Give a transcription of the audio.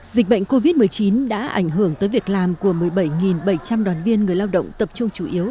dịch bệnh covid một mươi chín đã ảnh hưởng tới việc làm của một mươi bảy bảy trăm linh đoàn viên người lao động tập trung chủ yếu